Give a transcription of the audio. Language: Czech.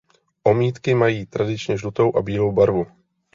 Omítky mají tradičně žlutou a bílou barvu.